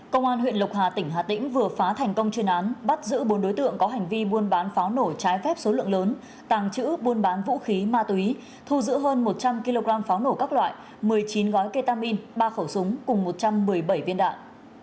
công an huyện lộc hà tỉnh hà tĩnh vừa phá thành công chuyên án bắt giữ bốn đối tượng có hành vi buôn bán pháo nổ trái phép số lượng lớn tàng trữ buôn bán vũ khí ma túy thu giữ hơn một trăm linh kg pháo nổ các loại một mươi chín gói ketamin ba khẩu súng cùng một trăm một mươi bảy viên đạn